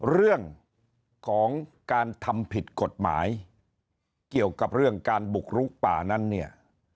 เรื่องของการทำผิดกฎหมายเกี่ยวกับเรื่องการบุกลุกป่านั้นเนี่ย